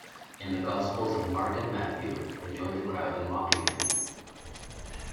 In the Gospels of Mark and Matthew, they join the crowd in mocking him.